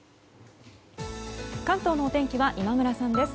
関東のお天気は今村さんです。